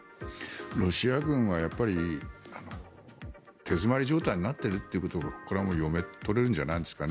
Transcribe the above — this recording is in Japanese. ロシア軍は手詰まり状態になっているというのはこれはもう読み取れるんじゃないですかね。